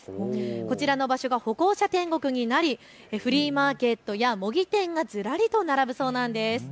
こちらの場所が歩行者天国になりフリーマーケットや模擬店がずらりと並ぶそうなんです。